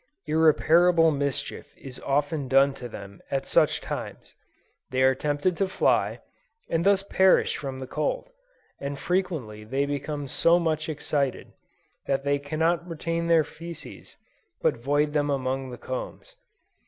Irreparable mischief is often done to them at such times; they are tempted to fly, and thus perish from the cold, and frequently they become so much excited, that they cannot retain their fæces, but void them among the combs.